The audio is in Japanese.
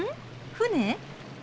船？